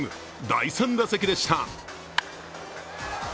第３打席でした。